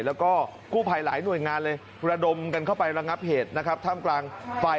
แล้วก็กู้ภัยหลายหน่วยงานเลยระดมกันเข้าไประงับเหตุนะครับท่ามกลางไฟ